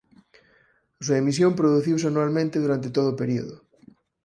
A súa emisión produciuse anualmente durante todo o período.